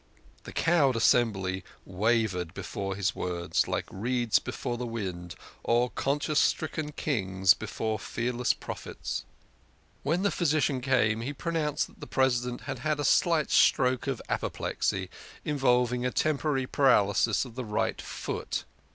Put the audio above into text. The cowed assembly wavered before his words, like reeds before the wind, or conscience stricken kings before fearless prophets. When the physician came he pronounced that the Presi dent had had a slight stroke of apoplexy, involving a tempo rary paralysis of the right foot.